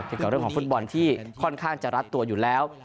เกี่ยวกับเรื่องของฟุตบอลที่ค่อนข้างจะรัดตัวอยู่แล้ว